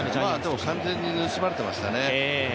でも、完全に盗まれていましたね。